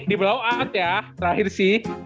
di belauat ya terakhir sih